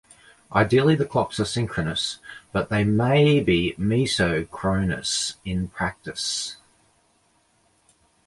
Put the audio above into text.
Ideally, the clocks are synchronous, but they may be mesochronous in practice.